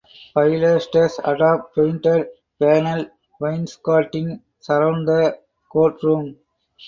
Pilasters atop painted panel wainscoting surround the courtroom.